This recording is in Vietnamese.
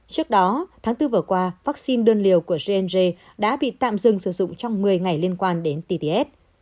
trước đó tháng bốn vừa qua vaccine đơn liều của gng đã bị tạm dừng sử dụng trong một mươi ngày liên quan đến tts